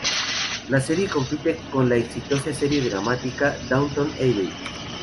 La serie compite con la exitosa serie dramática Downton Abbey.